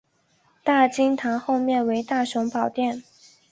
大经堂后面为大雄宝殿。